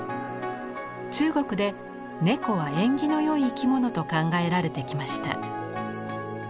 中国で猫は縁起のよい生き物と考えられてきました。